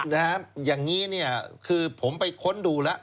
นะครับอย่างนี้คือผมไปค้นดูแล้ว